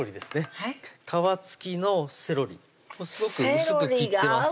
皮付きのセロリすごく薄く切ってます